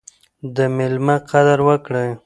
د میلمه قدر وکړئ.